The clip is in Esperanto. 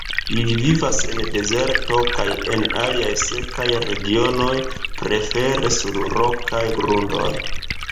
Ili vivas en dezerto kaj en aliaj sekaj regionoj, prefere sur rokaj grundoj.